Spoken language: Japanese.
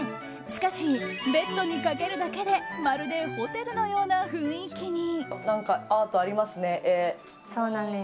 しかし、ベッドにかけるだけでまるでホテルのような雰囲気に。